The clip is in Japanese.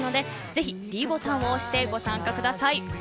ぜひｄボタンを押してご参加ください。